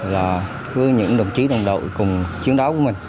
là với những đồng chí đồng đội cùng chiến đấu của mình